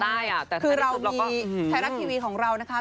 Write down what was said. แต่ถ้าที่สุดเราก็อืมอืมคือเรามีแทนรักทีวีของเรานะคะ